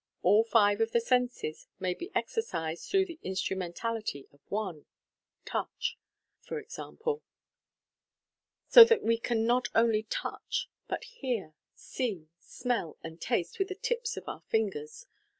All five of the senses may be exercised through the instrumentality of one — 'touch,' for example; so that we can not only touch, but hear, see, smell, and taste with the tips of the fingers.